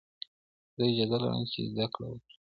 زه اجازه لرم چي زدکړه وکړم.